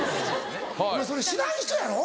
お前それ知らん人やろ？